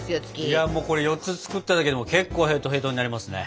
いやもうこれ４つ作っただけでも結構へとへとになりますね。